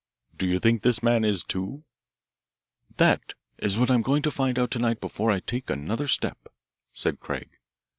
"Do you think this man is, too?" "That's what I'm going to find out to night before I take another step," said Craig.